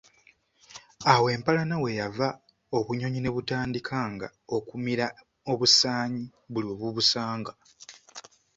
Awo empalana we yava obunyonyi ne butandikanga okumira obusaanyi buli we bubusanga.